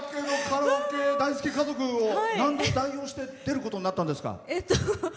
カラオケ大好き家族をなんで代表して出ることになったんですか？